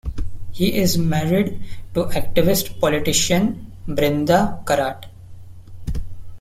He is married to activist-politician Brinda Karat.